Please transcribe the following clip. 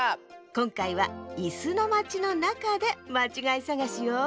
こんかいはいすのまちのなかでまちがいさがしよ。